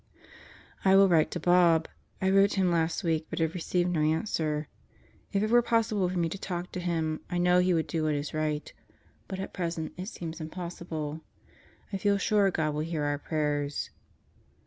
I will write to Bob. ... I wrote him last week, but have received no answer. If it were possible for me to talk to him, I know he would do what is right; but at present it seems impossible. I feel sure God will hear our prayers.